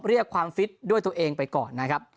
เรียกความฟิตด้วยตัวเองไปก่อนนะครับ